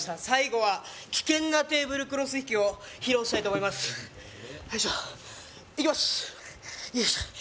最後は危険なテーブルクロス引きを披露したいと思います